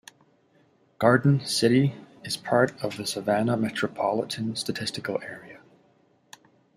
Garden City is part of the Savannah Metropolitan Statistical Area.